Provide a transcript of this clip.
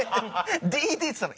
ＤＤっつったの。